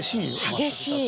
激しい。